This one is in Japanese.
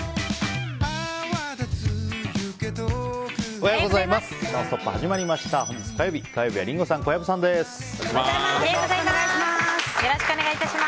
おはようございます。